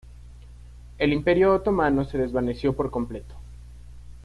El Imperio Otomano se desvaneció por completo.